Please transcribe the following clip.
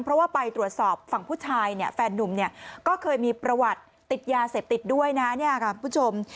เพราะว่าไปตรวจสอบฝั่งผู้ชายแฟนนุ่มก็เคยมีประวัติติดยาเสพติดด้วยนะครับ